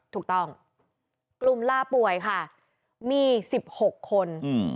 ถูกต้องกลุ่มลาป่วยค่ะมี๑๖คน